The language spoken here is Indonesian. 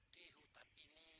di hutan ini